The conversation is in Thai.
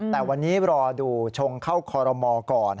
แต่วันนี้รอดูชงเข้าคอรมอก่อน